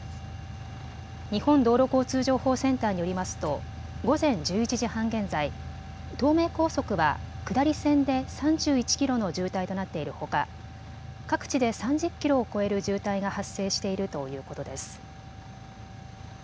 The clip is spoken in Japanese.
日本道路交通情報センターによりますと午前１１時半現在、東名高速は下り線で３１キロの渋滞となっているほか、各地で３０キロを超える渋滞が発生しているということです。